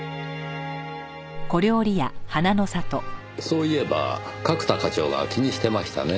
そういえば角田課長が気にしてましたね。